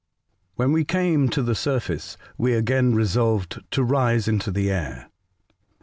WHEN we came to the surface, we again resolved to rise into the air.